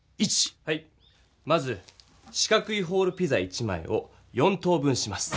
まず四角いホールピザ１枚を４等分します。